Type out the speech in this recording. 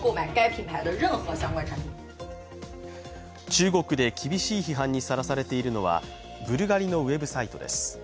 中国で厳しい批判にさらされているのはブルガリのウェブサイトです。